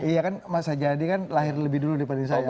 iya kan mas hajadi kan lahir lebih dulu daripada saya